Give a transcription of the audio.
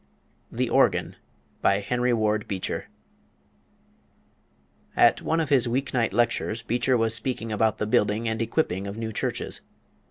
THE ORGAN BY HENRY WARD BEECHER At one of his week night lectures, Beecher was speaking about the building and equipping of new churches.